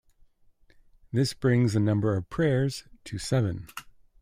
This brings the number of prayers to seven.